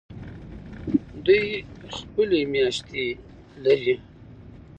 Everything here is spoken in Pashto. دوی خپلې میاشتې لري.